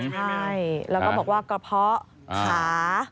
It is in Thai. ใช่แล้วก็บอกว่ากระเพาะขา